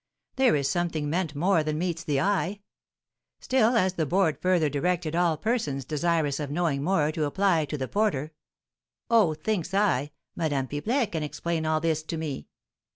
There is something meant more than meets the eye!' Still, as the board further directed all persons desirous of knowing more to apply to the porter, 'Oh,' thinks I, 'Madame Pipelet can explain all this to me!'